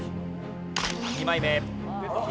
２枚目。＃